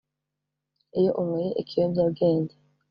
Iyo unyweye ikiyobyabwenge